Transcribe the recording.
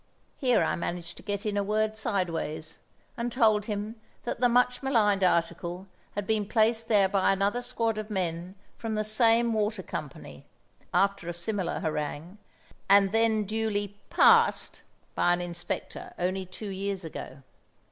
Here I managed to get in a word sideways, and told him that the much maligned article had been placed there by another squad of men from the same water company (after a similar harangue), and then duly "passed" by an inspector only two years ago.